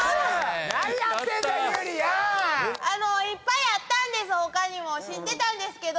いっぱいあったんです